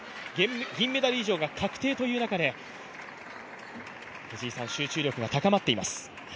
銀メダル以上が確定という中で集中力が高まっています。